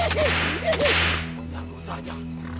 jangan bos aja